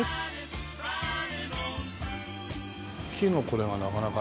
木のこれがなかなかだね。